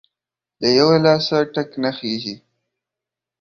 له يوه لاسه ټک نه خيږى.